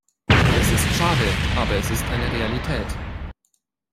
Es ist schade, aber es ist eine Realität.